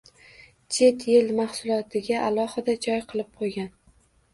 Chet el mahsulotiga alohida joy qilib qo'ygan.